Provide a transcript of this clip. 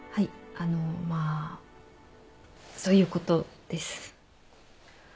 あのまあそういうことです。